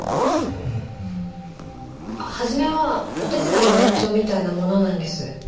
初めはお手伝いの延長みたいなものなんです。